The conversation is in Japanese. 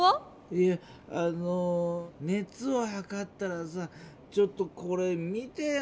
いやあのねつをはかったらさちょっとこれ見てよ。